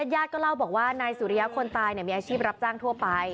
ญาติก็เล่าบอกว่านายสุริยะคนตายมีอาชีพรับจ้างทั่วไป